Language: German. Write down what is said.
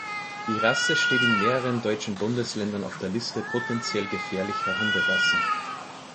Die Rasse steht in mehreren deutschen Bundesländern auf der Liste potentiell gefährlicher Hunderassen.